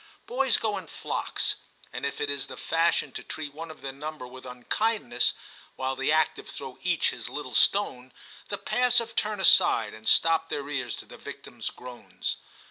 Boys go in flocks ; and if it is the fashion to treat one of their number with unkindness, while the active throw each his little stone, the passive turn aside and stop their ears to the victim's groans.